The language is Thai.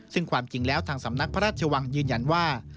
ซึ่งความจริงแล้วทางสำนักพระราชวังยืนยันว่า